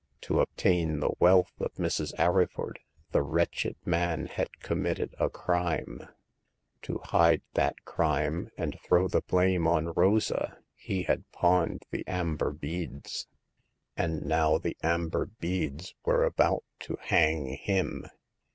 To obtain the wealth of Mrs. Arryford the wretched man had commited a crime : to hide 8^ Hagar of the Pawn Shop. that crime and throw the blame on Rosa he had pawned the amber beads ; and now the amber beads were about to hang him.